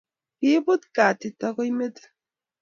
Kibuut katit ago metit